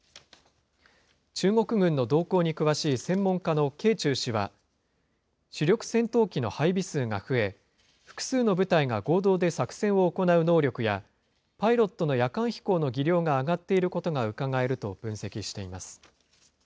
中国軍の動向に詳しい専門家の掲仲氏は、主力戦闘機の配備数が増え、複数の部隊が合同で作戦を行う能力や、パイロットの夜間飛行の技量が上がっていることがうかがえると分析しています。